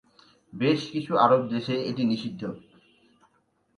বেশ কিছু আরব দেশে এটি নিষিদ্ধ।